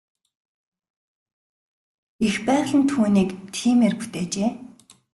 Эх байгаль нь түүнийг тиймээр бүтээжээ.